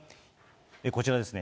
こちらですね。